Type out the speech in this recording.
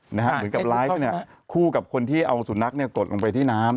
เหมือนกับไลฟ์คู่กับคนที่เอาสุนัขกดลงไปที่น้ำ